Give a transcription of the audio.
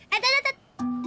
eh teteh teteh